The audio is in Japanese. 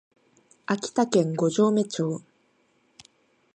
秋田県五城目町